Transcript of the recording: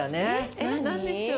えっ何でしょう？